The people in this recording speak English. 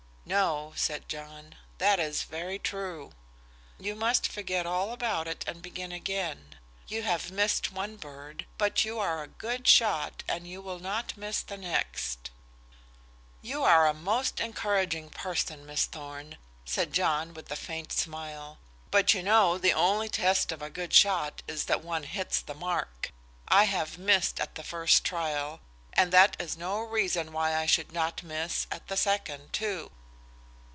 "No," said John, "that is very true." "You must forget all about it and begin again. You have missed one bird, but you are a good shot, and you will not miss the next." "You are a most encouraging person, Miss Thorn," said John with a faint smile. "But you know the only test of a good shot is that one hits the mark. I have missed at the first trial, and that is no reason why I should not miss at the second, too."